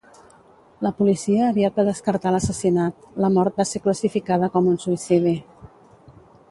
La policia aviat va descartar l'assassinat; la mort va ser classificada com un suïcidi.